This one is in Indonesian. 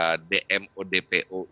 karena tadi dmo dpo itu adalah